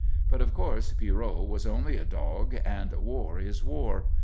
But of course Pierrot was only a dog and war is war.